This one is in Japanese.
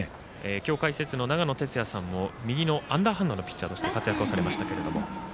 今日解説の長野哲也さんも右のアンダーハンドのピッチャーとして活躍をされましたけども。